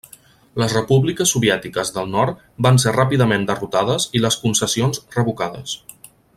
Les repúbliques soviètiques del nord van ser ràpidament derrotades i les concessions revocades.